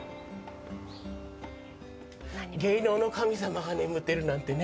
芸能の神様が眠ってるなんてね。